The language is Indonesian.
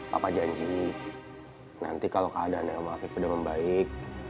papa janji nanti kalau keadaannya om afif udah membaik